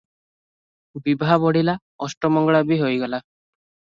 ବିଭା ବଢିଲା, ଅଷ୍ଟମଙ୍ଗଳା ବି ହୋଇଗଲା ।